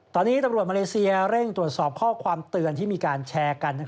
ตอนนี้ตำรวจมาเลเซียเร่งตรวจสอบข้อความเตือนที่มีการแชร์กัน